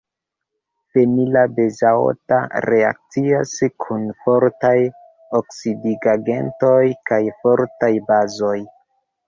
Fenila benzoato reakcias kun fortaj oksidigagentoj kaj fortaj bazoj.